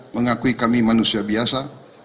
mengakui kami manusia biasa